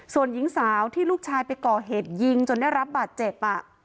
ส่วนหญิงสาวที่ลูกชายไปก่อเหตุยิงจนได้รับบาดเจ็บ